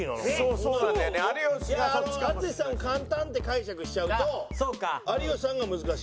淳さんを簡単って解釈しちゃうと有吉さんが難しいわ。